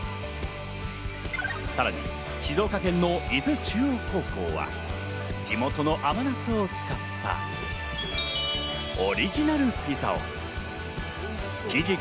さらに静岡県の伊豆中央高校は地元の甘夏を使ったオリジナルピザを。